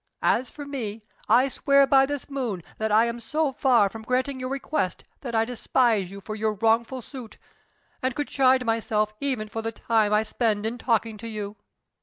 As for me, I swear by this moon that I am so far from granting your request that I despise you for your wrongful suit, and could chide myself even for the time I spend in talking to you."